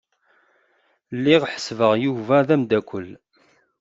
Lliɣ ḥesbeɣ Yuba d amdakkel.